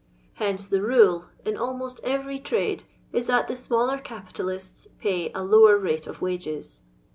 Hence the rule in almost every trade is that the smaller capitalists pay a lower rate of wages.